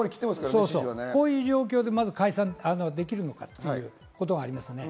こういう状況で解散できるのかということがあります。